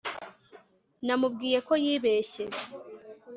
namubwiye ko yibeshye